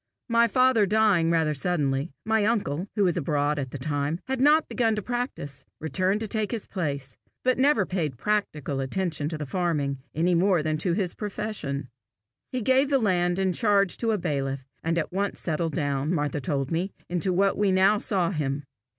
My father dying rather suddenly, my uncle, who was abroad at the time, and had not begun to practise, returned to take his place, but never paid practical attention to the farming any more than to his profession. He gave the land in charge to a bailiff, and at once settled down, Martha told me, into what we now saw him.